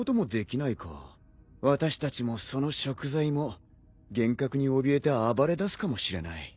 私たちもその食材も幻覚におびえて暴れだすかもしれない。